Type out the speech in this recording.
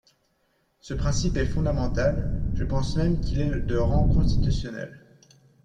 Ce principe est fondamental, je pense même qu’il est de rang constitutionnel.